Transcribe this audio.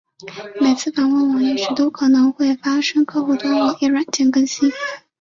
每次访问网页时都可能会发生客户端网页软件更新。